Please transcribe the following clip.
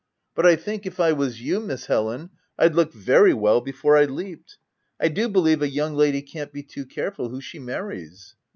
But I think, if I was you, Miss Helen, I'd look very well before I leaped. I do believe a young lady can't be too careful who she marries.'